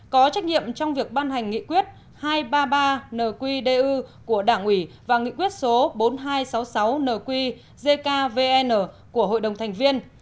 có trách nhiệm trong việc ban hành nghị quyết hai trăm ba mươi ba nqdu của đảng ủy và nghị quyết số bốn nghìn hai trăm sáu mươi sáu nqvn của hội đồng thành viên